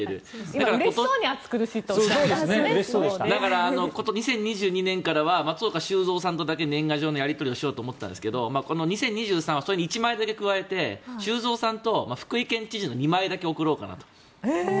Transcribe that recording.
だから、２０２２年からは松岡修造さんとだけ年賀状のやり取りをしようと思ったんですけどこの２０２３年はその１枚分に加えて修造さんと福井県知事の２枚だけ送ろうかなと。